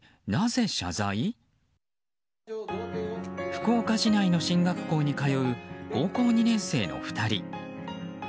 福岡市内の進学校に通う高校２年生の２人。